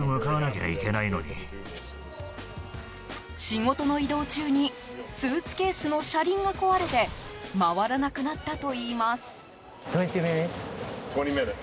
仕事の移動中にスーツケースの車輪が壊れて回らなくなったといいます。